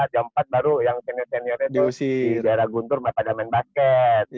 jam empat baru yang senior seniornya di daerah guntur pada main basket